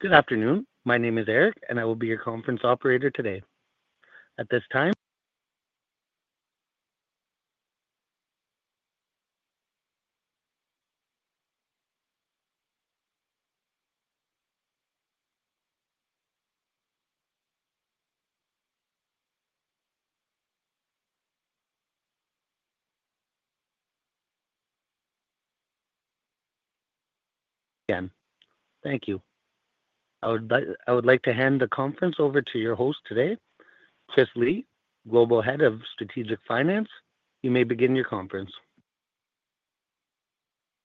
Good afternoon. My name is Eric, and I will be your conference operator today. Thank you. I would like to hand the conference over to your host today, Chris Lee, Global Head of Strategic Finance. You may begin your conference.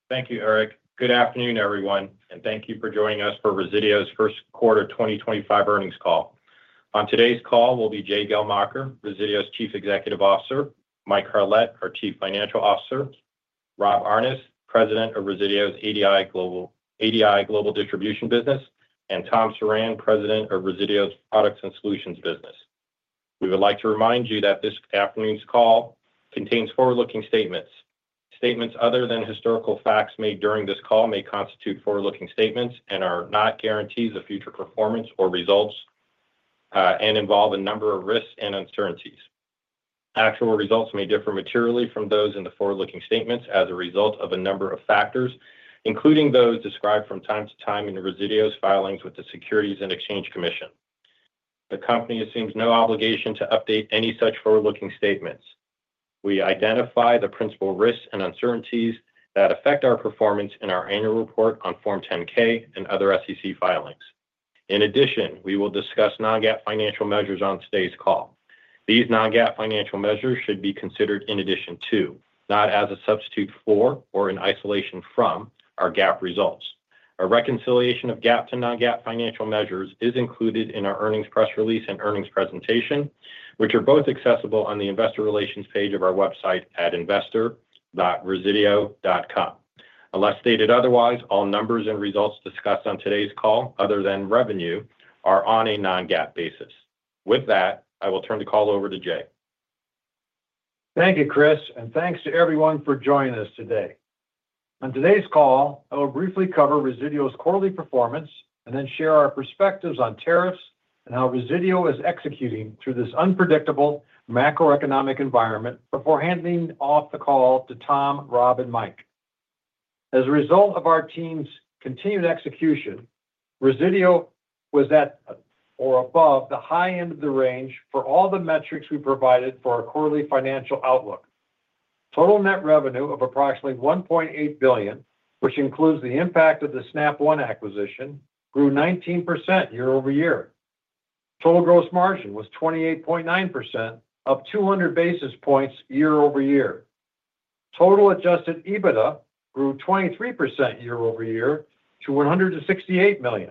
Thank you, Eric. Good afternoon, everyone, and thank you for joining us for Resideo's first quarter 2025 earnings call. On today's call will be Jay Geldmacher, Resideo's Chief Executive Officer; Mike Carlet, our Chief Financial Officer; Rob Aarnes, President of Resideo's ADI Global Distribution Business; and Tom Surran, President of Resideo's Products and Solutions Business. We would like to remind you that this afternoon's call contains forward-looking statements. Statements other than historical facts made during this call may constitute forward-looking statements and are not guarantees of future performance or results, and involve a number of risks and uncertainties. Actual results may differ materially from those in the forward-looking statements as a result of a number of factors, including those described from time to time in Resideo's filings with the Securities and Exchange Commission. The company assumes no obligation to update any such forward-looking statements. We identify the principal risks and uncertainties that affect our performance in our annual report on Form 10-K and other SEC filings. In addition, we will discuss non-GAAP financial measures on today's call. These non-GAAP financial measures should be considered in addition to, not as a substitute for, or in isolation from, our GAAP results. A reconciliation of GAAP to non-GAAP financial measures is included in our earnings press release and earnings presentation, which are both accessible on the investor relations page of our website at investor.resideo.com. Unless stated otherwise, all numbers and results discussed on today's call, other than revenue, are on a non-GAAP basis. With that, I will turn the call over to Jay. Thank you, Chris, and thanks to everyone for joining us today. On today's call, I will briefly cover Resideo's quarterly performance and then share our perspectives on tariffs and how Resideo is executing through this unpredictable macroeconomic environment. Before handing off the call to Tom, Rob, and Mike. As a result of our team's continued execution, Resideo was at, or above, the high end of the range for all the metrics we provided for our quarterly financial outlook. Total net revenue of approximately $1.8 billion, which includes the impact of the Snap One acquisition, grew 19% year-over-year. Total gross margin was 28.9%, up 200 basis points year-over-year. Total adjusted EBITDA grew 23% year-over-year to $168 million.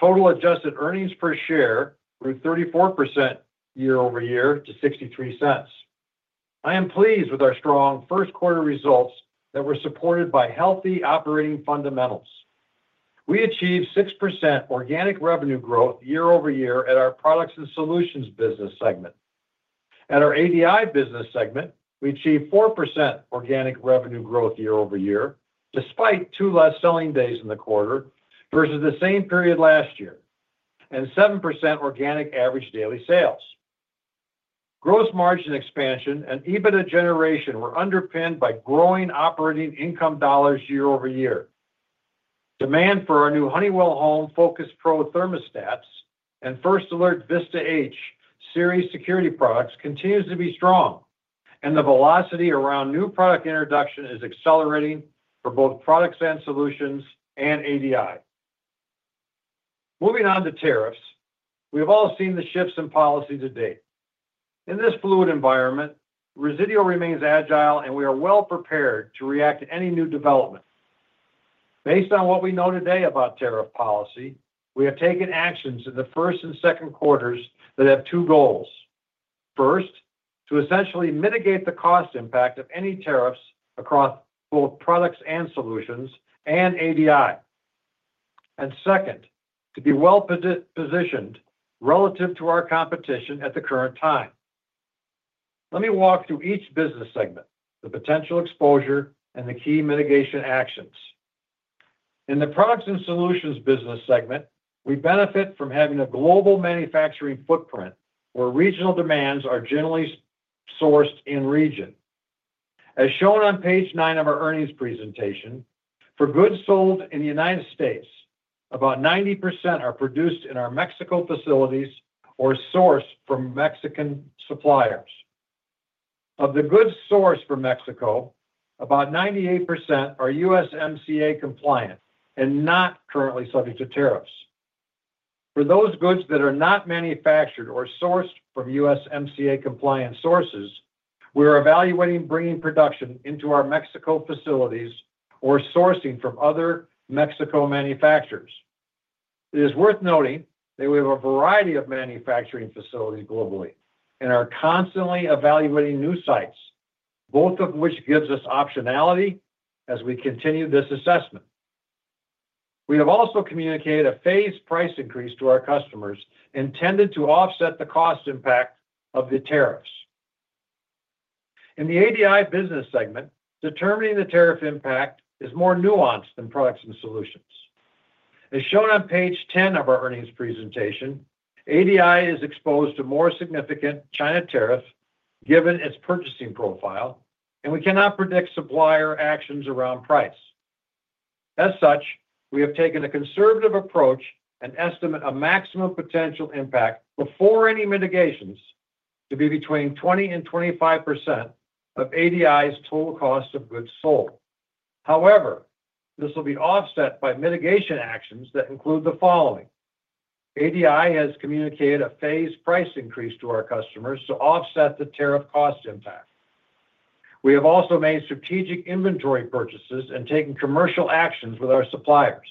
Total adjusted earnings per share grew 34% year-over-year to $0.63. I am pleased with our strong first quarter results that were supported by healthy operating fundamentals. We achieved 6% organic revenue growth year-over-year at our Products and Solutions Business segment. At our ADI Business segment, we achieved 4% organic revenue growth year-over-year, despite two less selling days in the quarter versus the same period last year, and 7% organic average daily sales. Gross margin expansion and EBITDA generation were underpinned by growing operating income dollars year-over-year. Demand for our new Honeywell Home Focus Pro thermostats and First Alert Vista H series security products continues to be strong, and the velocity around new product introduction is accelerating for both Products and Solutions and ADI. Moving on to tariffs, we have all seen the shifts in policy to date. In this fluid environment, Resideo remains agile, and we are well prepared to react to any new development. Based on what we know today about tariff policy, we have taken actions in the first and second quarters that have two goals. First, to essentially mitigate the cost impact of any tariffs across both Products and Solutions and ADI, and second, to be well positioned relative to our competition at the current time. Let me walk through each business segment, the potential exposure, and the key mitigation actions. In the Products and Solutions business segment, we benefit from having a global manufacturing footprint where regional demands are generally sourced in region. As shown on page nine of our earnings presentation, for goods sold in the United States, about 90% are produced in our Mexico facilities or sourced from Mexican suppliers. Of the goods sourced from Mexico, about 98% are USMCA compliant and not currently subject to tariffs. For those goods that are not manufactured or sourced from USMCA compliant sources, we are evaluating bringing production into our Mexico facilities or sourcing from other Mexico manufacturers. It is worth noting that we have a variety of manufacturing facilities globally and are constantly evaluating new sites, both of which give us optionality as we continue this assessment. We have also communicated a phased price increase to our customers intended to offset the cost impact of the tariffs. In the ADI Business segment, determining the tariff impact is more nuanced than Products and Solutions. As shown on page 10 of our earnings presentation, ADI is exposed to more significant China tariffs given its purchasing profile, and we cannot predict supplier actions around price. As such, we have taken a conservative approach and estimate a maximum potential impact before any mitigations to be between 20% and 25% of ADI's total cost of goods sold. However, this will be offset by mitigation actions that include the following. ADI has communicated a phased price increase to our customers to offset the tariff cost impact. We have also made strategic inventory purchases and taken commercial actions with our suppliers.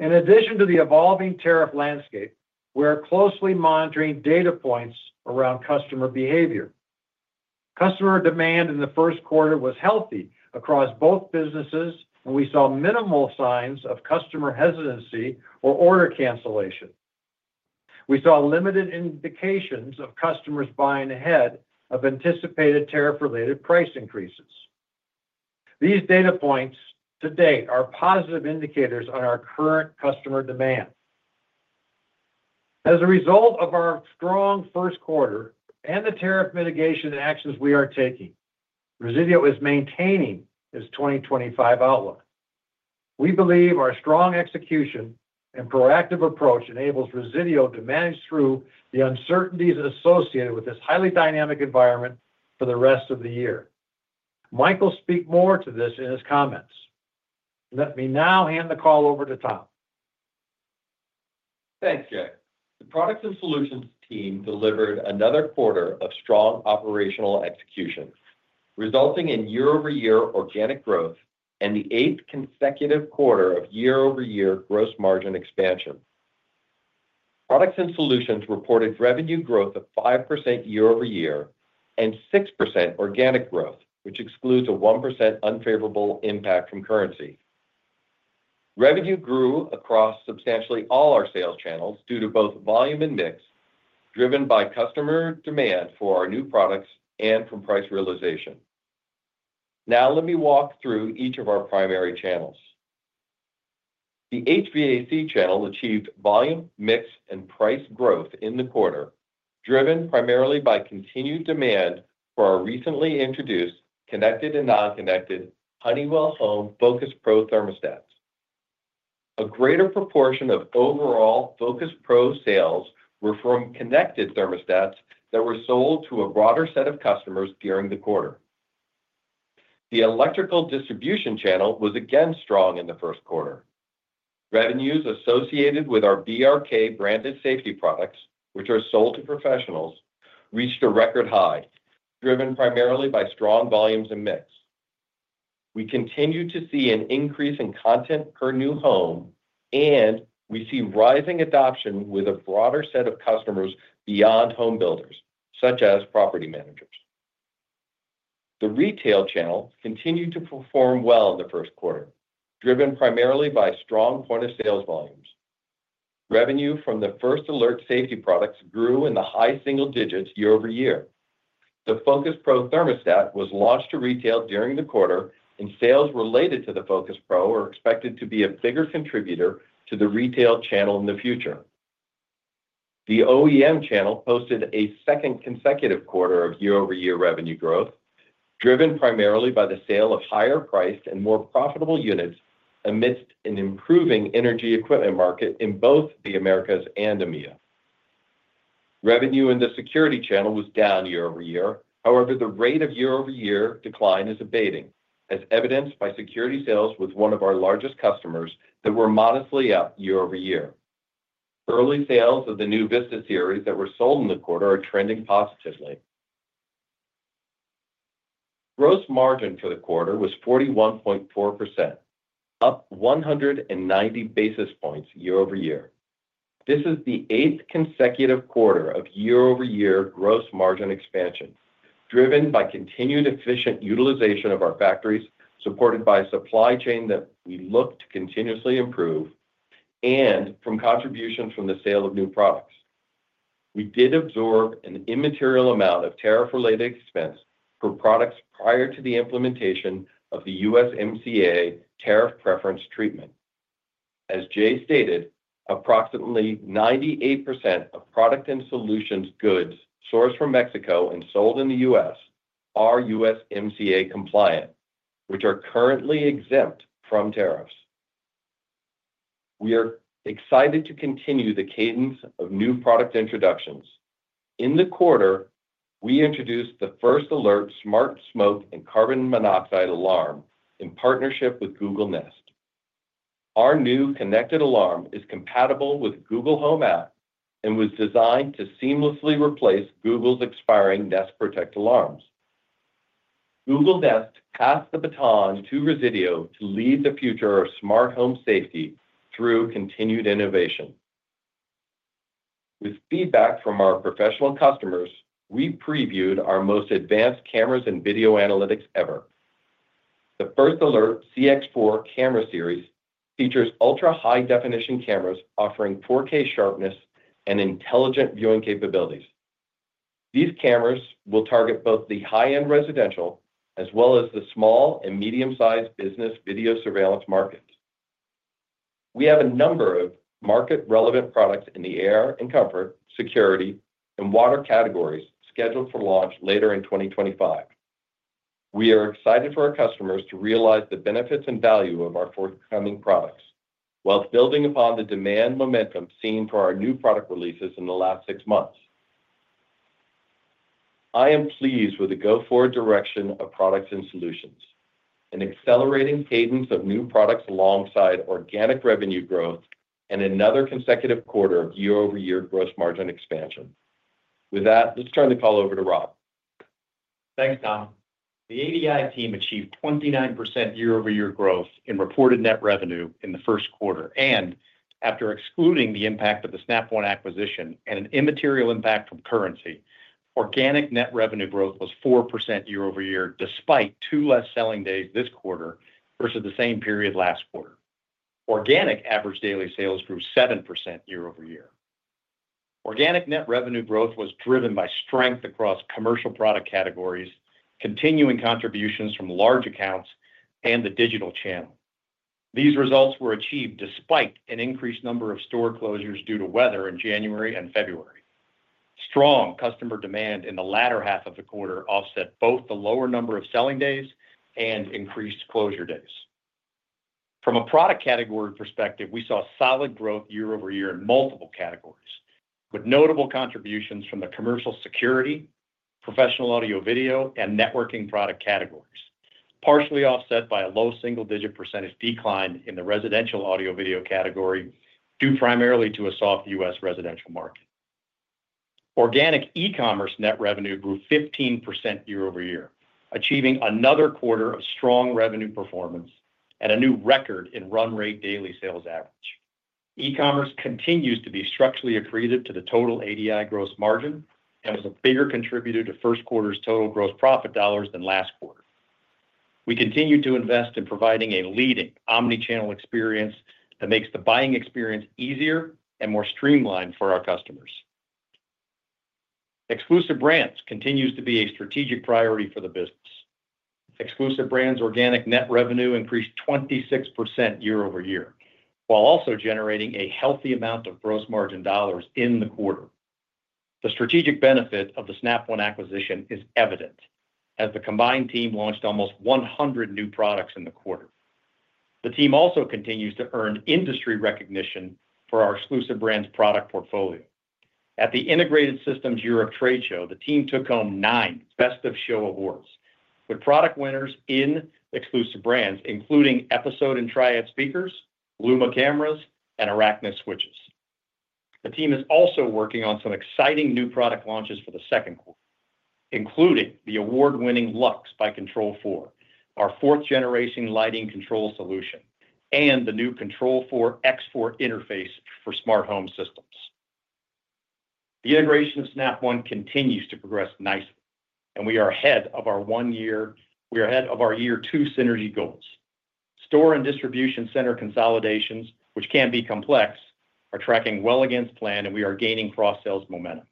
In addition to the evolving tariff landscape, we are closely monitoring data points around customer behavior. Customer demand in the first quarter was healthy across both businesses, and we saw minimal signs of customer hesitancy or order cancellation. We saw limited indications of customers buying ahead of anticipated tariff-related price increases. These data points to date are positive indicators on our current customer demand. As a result of our strong first quarter and the tariff mitigation actions we are taking, Resideo is maintaining its 2025 outlook. We believe our strong execution and proactive approach enables Resideo to manage through the uncertainties associated with this highly dynamic environment for the rest of the year. Michael will speak more to this in his comments. Let me now hand the call over to Tom. Thanks, Jay. The Products and Solutions team delivered another quarter of strong operational execution, resulting in year-over-year organic growth and the eighth consecutive quarter of year-over-year gross margin expansion. Products and Solutions reported revenue growth of 5% year-over-year and 6% organic growth, which excludes a 1% unfavorable impact from currency. Revenue grew across substantially all our sales channels due to both volume and mix, driven by customer demand for our new products and from price realization. Now let me walk through each of our primary channels. The HVAC channel achieved volume, mix, and price growth in the quarter, driven primarily by continued demand for our recently introduced connected and non-connected Honeywell Home Focus Pro thermostats. A greater proportion of overall Focus Pro sales were from connected thermostats that were sold to a broader set of customers during the quarter. The electrical distribution channel was again strong in the first quarter. Revenues associated with our BRK branded safety products, which are sold to professionals, reached a record high, driven primarily by strong volumes and mix. We continue to see an increase in content per new home, and we see rising adoption with a broader set of customers beyond home builders, such as property managers. The retail channel continued to perform well in the first quarter, driven primarily by strong point-of-sale volumes. Revenue from the First Alert safety products grew in the high single digits year-over-year. The Focus Pro thermostat was launched to retail during the quarter, and sales related to the Focus Pro are expected to be a bigger contributor to the retail channel in the future. The OEM channel posted a second consecutive quarter of year-over-year revenue growth, driven primarily by the sale of higher-priced and more profitable units amidst an improving energy equipment market in both the Americas and EMEA. Revenue in the security channel was down year-over-year, however, the rate of year-over-year decline is abating, as evidenced by security sales with one of our largest customers that were modestly up year-over-year. Early sales of the new Vista series that were sold in the quarter are trending positively. Gross margin for the quarter was 41.4%, up 190 basis points year-over-year. This is the eighth consecutive quarter of year-over-year gross margin expansion, driven by continued efficient utilization of our factories, supported by a supply chain that we look to continuously improve, and from contributions from the sale of new products. We did absorb an immaterial amount of tariff-related expense for products prior to the implementation of the USMCA tariff preference treatment. As Jay stated, approximately 98% of Products and Solutions goods sourced from Mexico and sold in the U.S. are USMCA compliant, which are currently exempt from tariffs. We are excited to continue the cadence of new product introductions. In the quarter, we introduced the First Alert Smart Smoke and Carbon Monoxide Alarm in partnership with Google Nest. Our new connected alarm is compatible with Google Home app and was designed to seamlessly replace Google's expiring Nest Protect alarms. Google Nest passed the baton to Resideo to lead the future of smart home safety through continued innovation. With feedback from our professional customers, we previewed our most advanced cameras and video analytics ever. The First Alert CX4 camera series features ultra-high-definition cameras offering 4K sharpness and intelligent viewing capabilities. These cameras will target both the high-end residential as well as the small and medium-sized business video surveillance markets. We have a number of market-relevant products in the AR and comfort, security, and water categories scheduled for launch later in 2025. We are excited for our customers to realize the benefits and value of our forthcoming products while building upon the demand momentum seen for our new product releases in the last six months. I am pleased with the go-forward direction of Products and Solutions, an accelerating cadence of new products alongside organic revenue growth and another consecutive quarter of year-over-year gross margin expansion. With that, let's turn the call over to Rob. Thanks, Tom. The ADI team achieved 29% year-over-year growth in reported net revenue in the first quarter, and after excluding the impact of the Snap One acquisition and an immaterial impact from currency, organic net revenue growth was 4% year-over-year despite two less selling days this quarter versus the same period last quarter. Organic average daily sales grew 7% year-over-year. Organic net revenue growth was driven by strength across commercial product categories, continuing contributions from large accounts, and the digital channel. These results were achieved despite an increased number of store closures due to weather in January and February. Strong customer demand in the latter half of the quarter offset both the lower number of selling days and increased closure days. From a product category perspective, we saw solid growth year-over-year in multiple categories, with notable contributions from the commercial security, professional audio-video, and networking product categories, partially offset by a low single-digit percent decline in the residential audio-video category due primarily to a soft U.S. residential market. Organic e-commerce net revenue grew 15% year-over-year, achieving another quarter of strong revenue performance and a new record in run rate daily sales average. E-commerce continues to be structurally accretive to the total ADI gross margin and was a bigger contributor to first quarter's total gross profit dollars than last quarter. We continue to invest in providing a leading omnichannel experience that makes the buying experience easier and more streamlined for our customers. Exclusive brands continue to be a strategic priority for the business. Exclusive brands' organic net revenue increased 26% year-over-year while also generating a healthy amount of gross margin dollars in the quarter. The strategic benefit of the Snap One acquisition is evident as the combined team launched almost 100 new products in the quarter. The team also continues to earn industry recognition for our exclusive brands product portfolio. At the Integrated Systems Europe Trade Show, the team took home nine Best of Show Awards, with product winners in exclusive brands, including Episode and Triad Speakers, Luma cameras, and Araknis Switches. The team is also working on some exciting new product launches for the second quarter, including the award-winning Lux by Control4, our fourth-generation lighting control solution, and the new Control4 X4 interface for smart home systems. The integration of Snap One continues to progress nicely, and we are ahead of our one-year, we are ahead of our year-two synergy goals. Store and distribution center consolidations, which can be complex, are tracking well against plan, and we are gaining cross-sales momentum.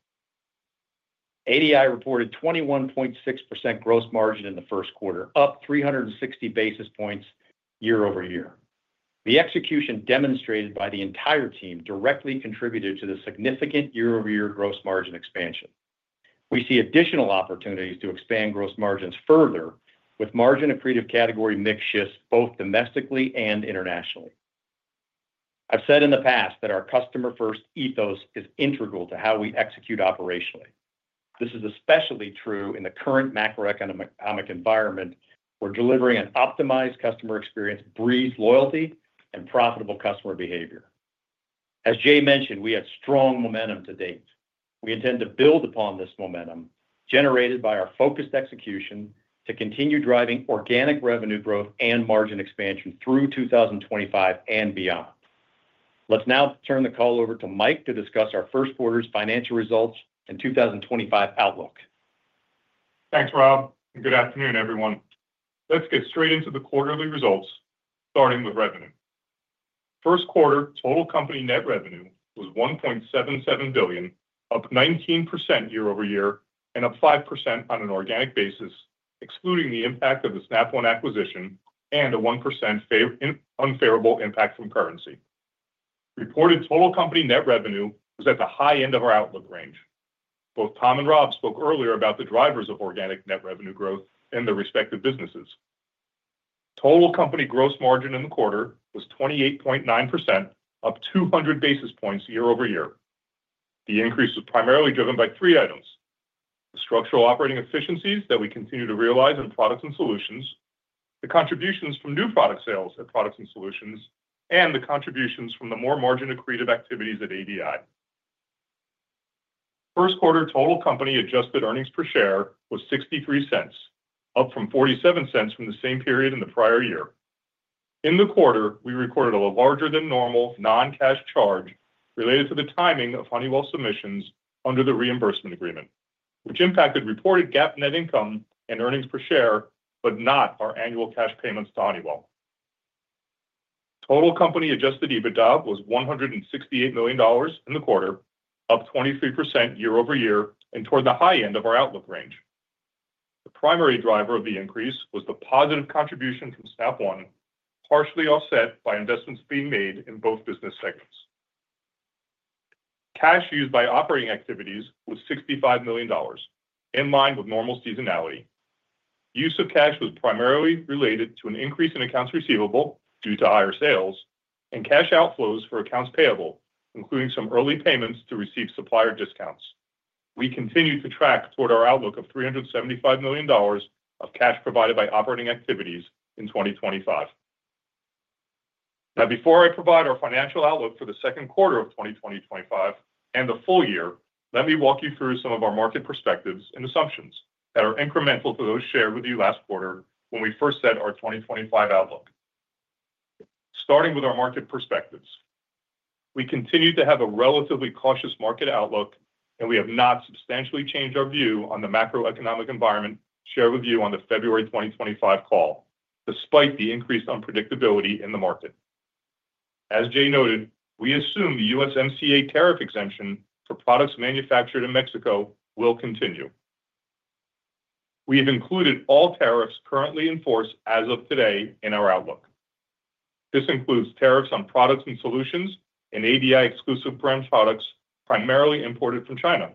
ADI reported 21.6% gross margin in the first quarter, up 360 basis points year-over-year. The execution demonstrated by the entire team directly contributed to the significant year-over-year gross margin expansion. We see additional opportunities to expand gross margins further, with margin accretive category mix shifts both domestically and internationally. I've said in the past that our customer-first ethos is integral to how we execute operationally. This is especially true in the current macroeconomic environment. We're delivering an optimized customer experience, breeds loyalty, and profitable customer behavior. As Jay mentioned, we have strong momentum to date. We intend to build upon this momentum generated by our focused execution to continue driving organic revenue growth and margin expansion through 2025 and beyond. Let's now turn the call over to Mike to discuss our first quarter's financial results and 2025 outlook. Thanks, Rob. Good afternoon, everyone. Let's get straight into the quarterly results, starting with revenue. First quarter total company net revenue was $1.77 billion, up 19% year-over-year and up 5% on an organic basis, excluding the impact of the Snap One acquisition and a 1% unfavorable impact from currency. Reported total company net revenue was at the high end of our outlook range. Both Tom and Rob spoke earlier about the drivers of organic net revenue growth in their respective businesses. Total company gross margin in the quarter was 28.9%, up 200 basis points year-over-year. The increase was primarily driven by three items: the structural operating efficiencies that we continue to realize in Products and Solutions, the contributions from new product sales at Products and Solutions, and the contributions from the more margin-accretive activities at ADI. First quarter total company adjusted earnings per share was $0.63, up from $0.47 from the same period in the prior year. In the quarter, we recorded a larger-than-normal non-cash charge related to the timing of Honeywell submissions under the reimbursement agreement, which impacted reported GAAP net income and earnings per share, but not our annual cash payments to Honeywell. Total company adjusted EBITDA was $168 million in the quarter, up 23% year-over-year and toward the high end of our outlook range. The primary driver of the increase was the positive contribution from Snap One, partially offset by investments being made in both business segments. Cash used by operating activities was $65 million, in line with normal seasonality. Use of cash was primarily related to an increase in accounts receivable due to higher sales and cash outflows for accounts payable, including some early payments to receive supplier discounts. We continue to track toward our outlook of $375 million of cash provided by operating activities in 2025. Now, before I provide our financial outlook for the second quarter of 2025 and the full year, let me walk you through some of our market perspectives and assumptions that are incremental to those shared with you last quarter when we first set our 2025 outlook. Starting with our market perspectives, we continue to have a relatively cautious market outlook, and we have not substantially changed our view on the macroeconomic environment shared with you on the February 2025 call, despite the increased unpredictability in the market. As Jay noted, we assume the USMCA tariff exemption for products manufactured in Mexico will continue. We have included all tariffs currently in force as of today in our outlook. This includes tariffs on Products and Solutions and ADI exclusive brand products primarily imported from China.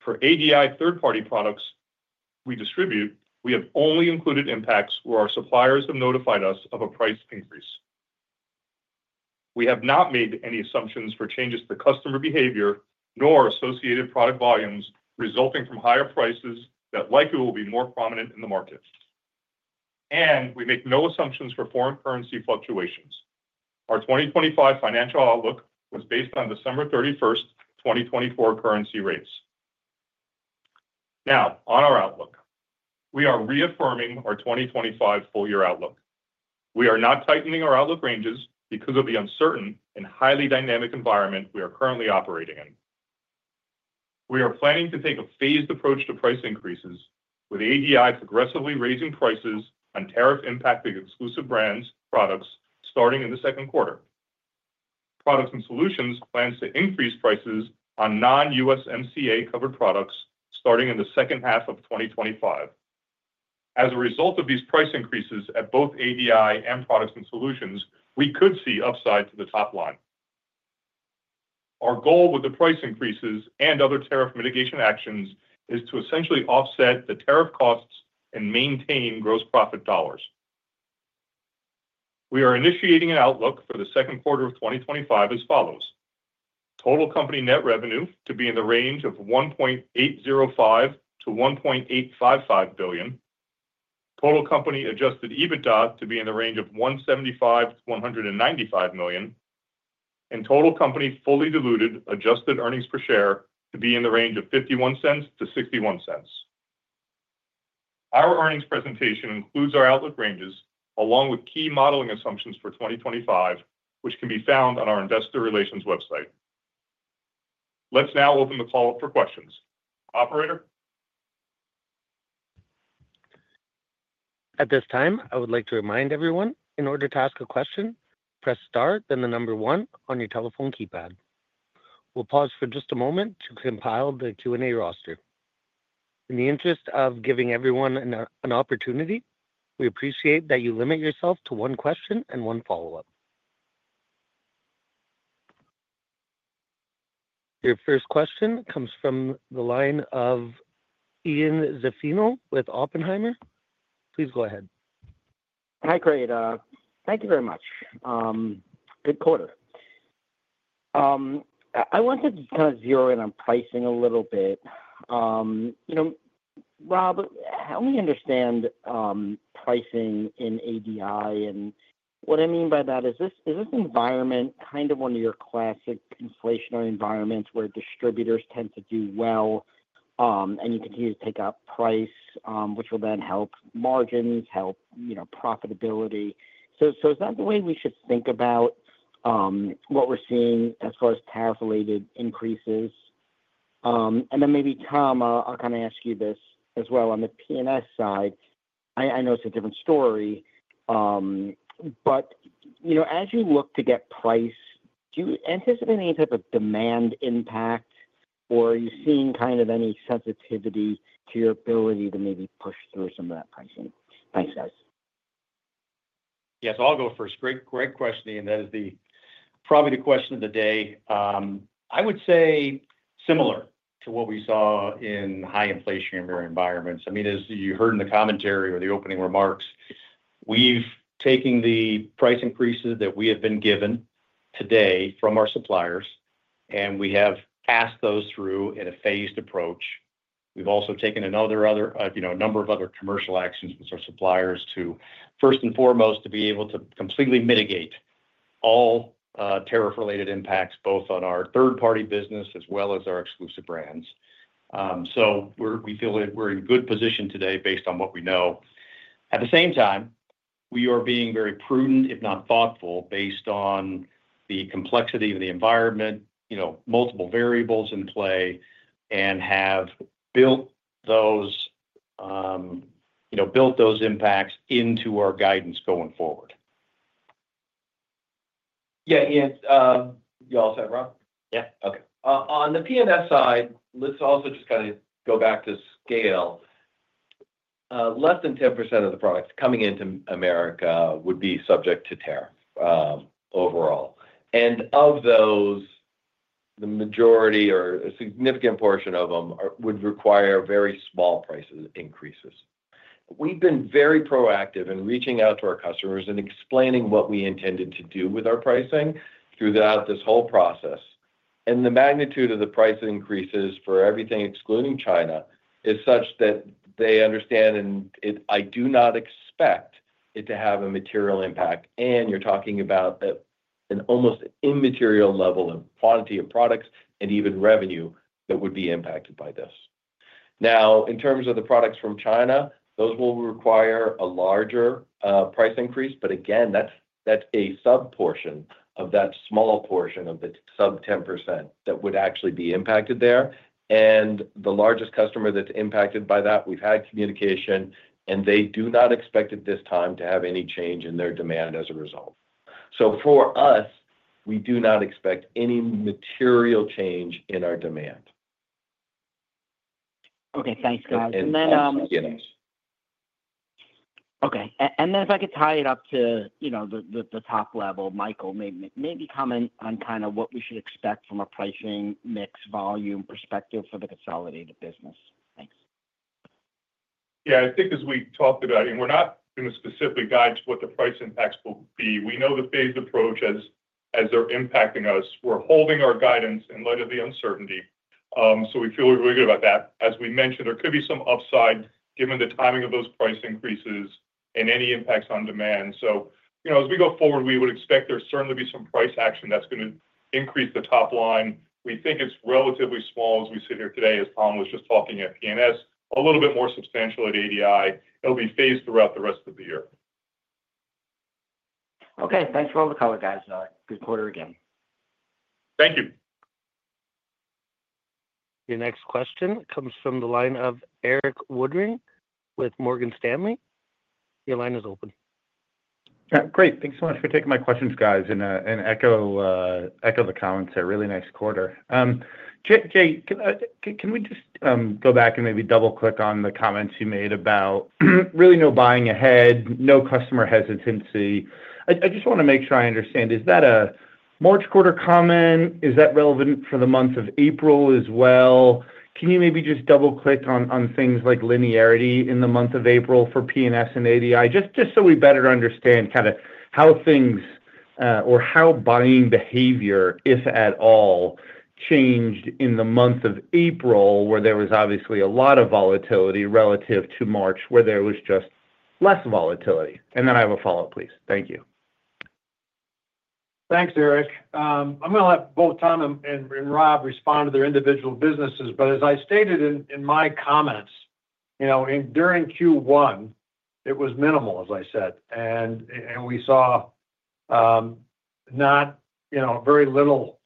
For ADI third-party products we distribute, we have only included impacts where our suppliers have notified us of a price increase. We have not made any assumptions for changes to customer behavior nor associated product volumes resulting from higher prices that likely will be more prominent in the market. We make no assumptions for foreign currency fluctuations. Our 2025 financial outlook was based on December 31, 2024 currency rates. Now, on our outlook, we are reaffirming our 2025 full-year outlook. We are not tightening our outlook ranges because of the uncertain and highly dynamic environment we are currently operating in. We are planning to take a phased approach to price increases, with ADI progressively raising prices on tariff-impacted exclusive brands' products starting in the second quarter. Products and Solutions plans to increase prices on non-USMCA covered products starting in the second half of 2025. As a result of these price increases at both ADI and Products and Solutions, we could see upside to the top line. Our goal with the price increases and other tariff mitigation actions is to essentially offset the tariff costs and maintain gross profit dollars. We are initiating an outlook for the second quarter of 2025 as follows: total company net revenue to be in the range of $1.805 billion-$1.855 billion, total company adjusted EBITDA to be in the range of $175 million-$195 million, and total company fully diluted adjusted earnings per share to be in the range of $0.51-$0.61. Our earnings presentation includes our outlook ranges along with key modeling assumptions for 2025, which can be found on our investor relations website. Let's now open the call up for questions. Operator. At this time, I would like to remind everyone, in order to ask a question, press star, then the number one on your telephone keypad. We'll pause for just a moment to compile the Q&A roster. In the interest of giving everyone an opportunity, we appreciate that you limit yourself to one question and one follow-up. Your first question comes from the line of Ian Zaffino with Oppenheimer. Please go ahead. Hi. Thank you very much. Good quarter. I wanted to kind of zero in on pricing a little bit. You know, Rob, help me understand pricing in ADI, and what I mean by that is this environment kind of one of your classic inflationary environments where distributors tend to do well and you continue to take up price, which will then help margins, help profitability. Is that the way we should think about what we're seeing as far as tariff-related increases? Maybe, Tom, I'll kind of ask you this as well. On the P&S side, I know it's a different story, but as you look to get price, do you anticipate any type of demand impact, or are you seeing kind of any sensitivity to your ability to maybe push through some of that pricing? Thanks, guys. Yes, I'll go first. Great question, Ian. That is probably the question of the day. I would say similar to what we saw in high inflationary environments. I mean, as you heard in the commentary or the opening remarks, we've taken the price increases that we have been given today from our suppliers, and we have passed those through in a phased approach. We've also taken a number of other commercial actions with our suppliers to, first and foremost, be able to completely mitigate all tariff-related impacts, both on our third-party business as well as our exclusive brands. So we feel that we're in good position today based on what we know. At the same time, we are being very prudent, if not thoughtful, based on the complexity of the environment, multiple variables in play, and have built those impacts into our guidance going forward. Yeah, Ian, you all set, Rob? Yeah. Okay. On the P&S side, let's also just kind of go back to scale. Less than 10% of the products coming into America would be subject to tariff overall. Of those, the majority or a significant portion of them would require very small price increases. We've been very proactive in reaching out to our customers and explaining what we intended to do with our pricing throughout this whole process. The magnitude of the price increases for everything excluding China is such that they understand, and I do not expect it to have a material impact. You're talking about an almost immaterial level of quantity of products and even revenue that would be impacted by this. Now, in terms of the products from China, those will require a larger price increase. Again, that's a sub-portion of that small portion of the sub 10% that would actually be impacted there. The largest customer that's impacted by that, we've had communication, and they do not expect at this time to have any change in their demand as a result. For us, we do not expect any material change in our demand. Okay. Thanks, guys. And then. Thanks, Ian. Okay. If I could tie it up to the top level, Michael, maybe comment on kind of what we should expect from a pricing mix volume perspective for the consolidated business. Thanks. Yeah, I think as we talked about, I mean, we're not in a specific guide to what the price impacts will be. We know the phased approach as they're impacting us. We're holding our guidance in light of the uncertainty. We feel we're good about that. As we mentioned, there could be some upside given the timing of those price increases and any impacts on demand. As we go forward, we would expect there's certainly be some price action that's going to increase the top line. We think it's relatively small as we sit here today, as Tom was just talking at P&S, a little bit more substantial at ADI. It'll be phased throughout the rest of the year. Okay. Thanks for all the color, guys. Good quarter again. Thank you. Your next question comes from the line of Eric Woodring with Morgan Stanley. Your line is open. Great. Thanks so much for taking my questions, guys, and echo the comments. A really nice quarter. Jay, can we just go back and maybe double-click on the comments you made about really no buying ahead, no customer hesitancy? I just want to make sure I understand. Is that a March quarter comment? Is that relevant for the month of April as well? Can you maybe just double-click on things like linearity in the month of April for P&S and ADI, just so we better understand kind of how things or how buying behavior, if at all, changed in the month of April, where there was obviously a lot of volatility relative to March, where there was just less volatility? I have a follow-up, please. Thank you. Thanks, Eric. I'm going to let both Tom and Rob respond to their individual businesses. As I stated in my comments, during Q1, it was minimal, as I said. We saw not very little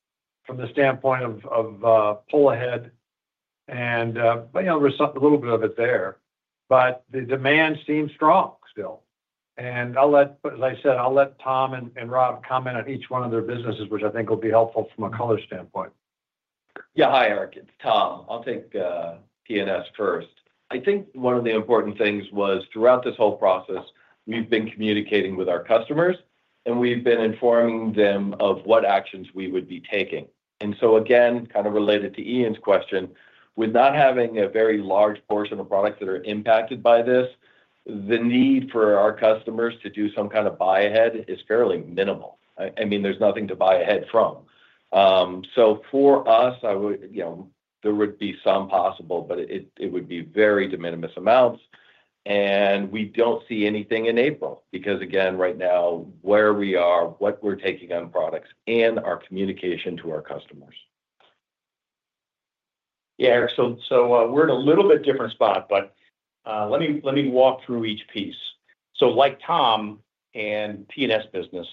from the standpoint of pull ahead, but there was a little bit of it there. The demand seemed strong still. As I said, I'll let Tom and Rob comment on each one of their businesses, which I think will be helpful from a color standpoint. Yeah. Hi, Eric. It's Tom. I'll take P&S first. I think one of the important things was throughout this whole process, we've been communicating with our customers, and we've been informing them of what actions we would be taking. Again, kind of related to Ian's question, with not having a very large portion of products that are impacted by this, the need for our customers to do some kind of buy ahead is fairly minimal. I mean, there's nothing to buy ahead from. For us, there would be some possible, but it would be very de minimis amounts. We don't see anything in April because, again, right now, where we are, what we're taking on products, and our communication to our customers. Yeah, Eric, we're in a little bit different spot, but let me walk through each piece. Like Tom and P&S business,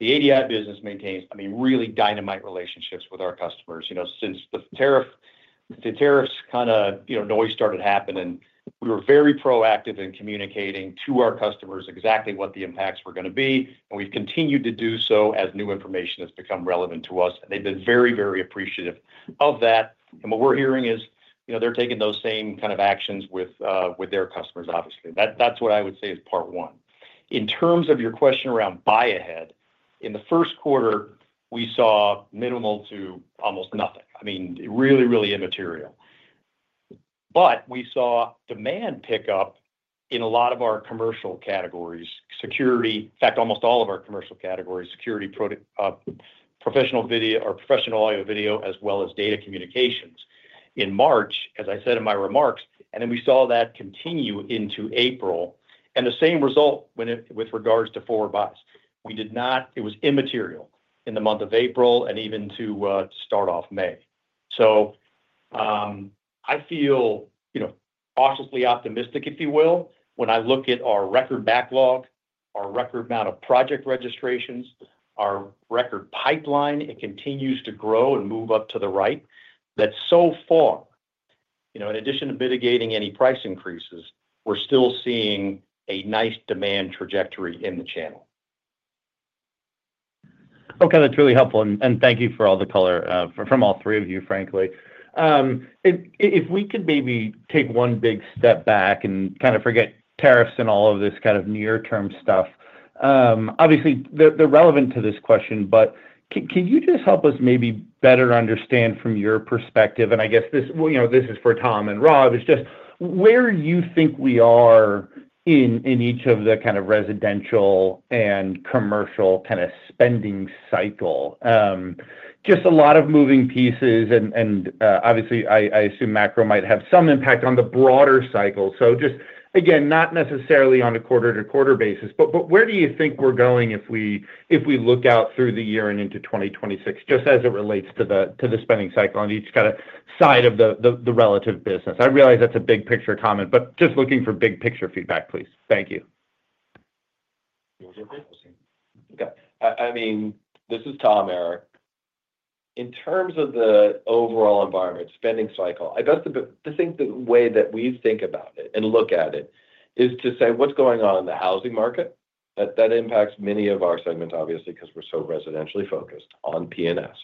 the ADI business maintains, I mean, really dynamite relationships with our customers. Since the tariffs kind of noise started happening, we were very proactive in communicating to our customers exactly what the impacts were going to be. We've continued to do so as new information has become relevant to us. They've been very, very appreciative of that. What we're hearing is they're taking those same kind of actions with their customers, obviously. That's what I would say is part one. In terms of your question around buy ahead, in the first quarter, we saw minimal to almost nothing. I mean, really, really immaterial. We saw demand pick up in a lot of our commercial categories, security—in fact, almost all of our commercial categories, security, professional video, or professional audio video, as well as data communications in March, as I said in my remarks. We saw that continue into April. The same result with regards to forward buys. It was immaterial in the month of April and even to start off May. I feel cautiously optimistic, if you will, when I look at our record backlog, our record amount of project registrations, our record pipeline. It continues to grow and move up to the right. That so far, in addition to mitigating any price increases, we're still seeing a nice demand trajectory in the channel. Okay. That's really helpful. Thank you for all the color from all three of you, frankly. If we could maybe take one big step back and kind of forget tariffs and all of this kind of near-term stuff, obviously, they're relevant to this question, but can you just help us maybe better understand from your perspective—and I guess this is for Tom and Rob—is just where you think we are in each of the kind of residential and commercial kind of spending cycle. Just a lot of moving pieces, and obviously, I assume macro might have some impact on the broader cycle. Just, again, not necessarily on a quarter-to-quarter basis, but where do you think we're going if we look out through the year and into 2026, just as it relates to the spending cycle on each kind of side of the relative business? I realize that's a big picture, Tom, but just looking for big picture feedback, please. Thank you. Okay. I mean, this is Tom, Eric. In terms of the overall environment, spending cycle, I guess the way that we think about it and look at it is to say, "What's going on in the housing market?" That impacts many of our segments, obviously, because we're so residentially focused on P&S.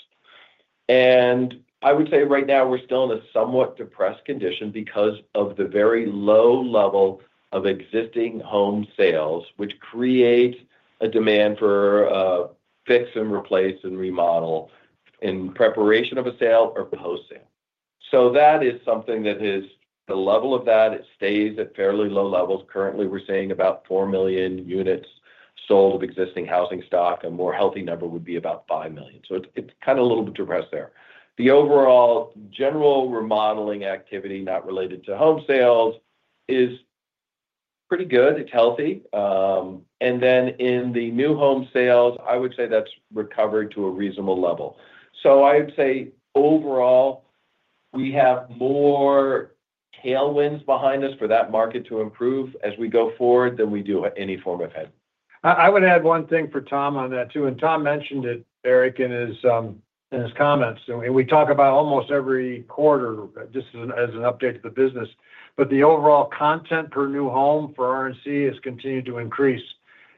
I would say right now, we're still in a somewhat depressed condition because of the very low level of existing home sales, which creates a demand for fix and replace and remodel in preparation of a sale or post-sale. That is something that is the level of that. It stays at fairly low levels. Currently, we're seeing about 4 million units sold of existing housing stock, and a more healthy number would be about 5 million. It's kind of a little bit depressed there. The overall general remodeling activity, not related to home sales, is pretty good. It's healthy. In the new home sales, I would say that's recovered to a reasonable level. I would say overall, we have more tailwinds behind us for that market to improve as we go forward than we do any form of head. I would add one thing for Tom on that too. Tom mentioned it, Eric, in his comments. We talk about almost every quarter just as an update to the business. The overall content per new home for R&C has continued to increase.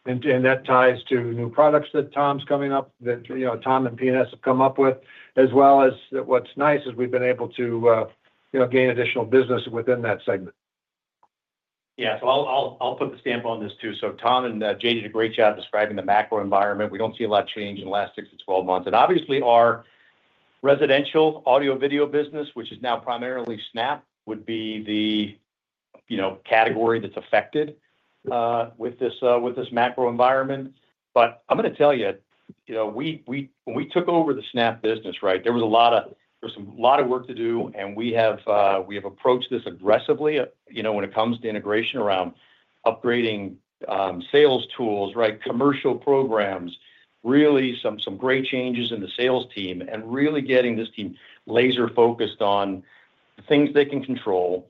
That ties to new products that Tom's coming up, that Tom and P&S have come up with, as well as what's nice is we've been able to gain additional business within that segment. Yeah. I'll put the stamp on this too. Tom and Jay did a great job describing the macro environment. We do not see a lot of change in the last 6 to 12 months. Obviously, our residential audio video business, which is now primarily Snap, would be the category that's affected with this macro environment. I'm going to tell you, when we took over the Snap business, there was a lot of work to do, and we have approached this aggressively when it comes to integration around upgrading sales tools, commercial programs, really some great changes in the sales team, and really getting this team laser-focused on the things they can control,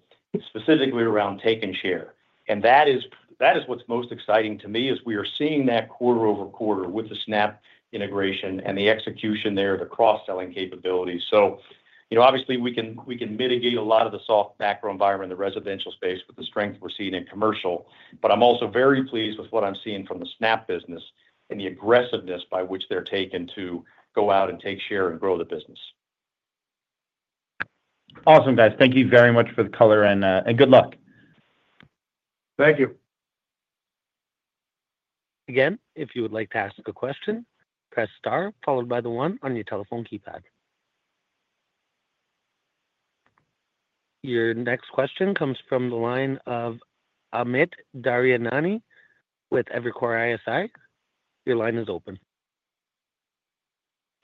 specifically around take and share. That is what's most exciting to me, is we are seeing that quarter over quarter with the Snap integration and the execution there, the cross-selling capabilities. Obviously, we can mitigate a lot of the soft macro environment in the residential space with the strength we're seeing in commercial. I'm also very pleased with what I'm seeing from the Snap business and the aggressiveness by which they're taking to go out and take share and grow the business. Awesome, guys. Thank you very much for the color, and good luck. Thank you. Again, if you would like to ask a question, press star followed by the 1 on your telephone keypad. Your next question comes from the line of Amit Daryanani with Evercore ISI. Your line is open.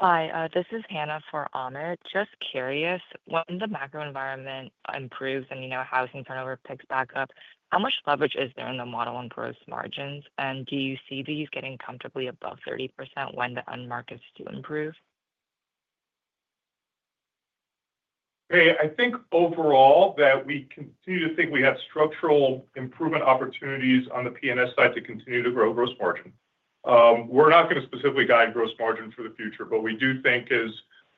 Hi. This is Hannah for Amit. Just curious, when the macro environment improves and housing turnover picks back up, how much leverage is there in the model and gross margins? And do you see these getting comfortably above 30% when the unmarked is to improve? Hey, I think overall that we continue to think we have structural improvement opportunities on the P&S side to continue to grow gross margin. We're not going to specifically guide gross margin for the future, but we do think,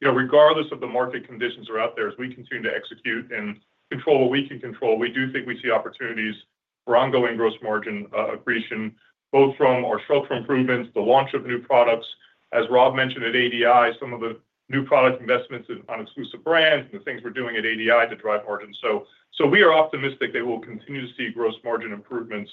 regardless of the market conditions that are out there, as we continue to execute and control what we can control, we do think we see opportunities for ongoing gross margin accretion, both from our structural improvements, the launch of new products. As Rob mentioned at ADI, some of the new product investments on exclusive brands and the things we're doing at ADI to drive margin. We are optimistic that we'll continue to see gross margin improvements,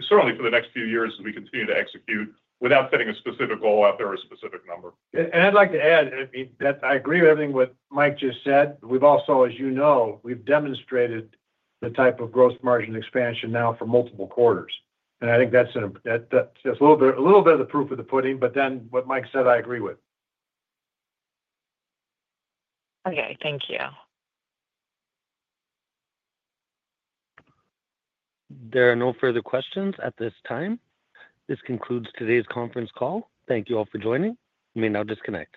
certainly for the next few years as we continue to execute without setting a specific goal out there or a specific number. I'd like to add, I mean, I agree with everything what Mike just said. We've also, as you know, demonstrated the type of gross margin expansion now for multiple quarters. I think that's a little bit of the proof of the pudding, but then what Mike said, I agree with. Okay. Thank you. There are no further questions at this time. This concludes today's conference call. Thank you all for joining. You may now disconnect.